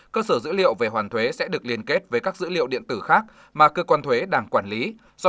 cơ sở dữ liệu về hoàn thuế sẽ được liên kết với các dữ liệu điện tử khác mà cơ quan thuế đang quản lý